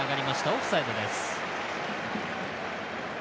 オフサイドです。